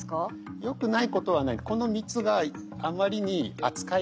よくないことはない。